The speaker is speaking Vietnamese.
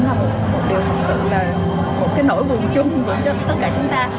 rất là nhiều các dự án bị chứng lại đó cũng là một nỗi buồn chung của tất cả chúng ta